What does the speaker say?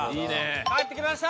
帰ってきました！